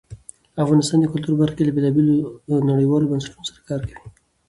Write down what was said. افغانستان د کلتور په برخه کې له بېلابېلو نړیوالو بنسټونو سره کار کوي.